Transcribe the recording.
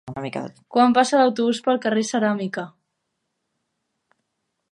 Quan passa l'autobús pel carrer Ceràmica?